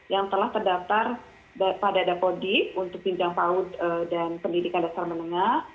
yang telah terdaftar pada dapodi untuk binjang paut dan pendidikan dasar menengah